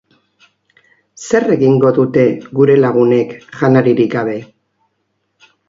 Zer egingo dute gure lagunek janaririk gabe?